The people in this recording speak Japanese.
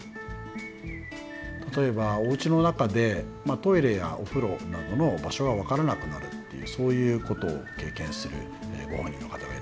例えばおうちの中でトイレやお風呂などの場所が分からなくなるっていうそういうことを経験するご本人の方がいらっしゃいます。